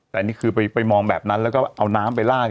แต่นี่คือไปมองแบบนั้นแล้วก็เอาน้ำไปลาก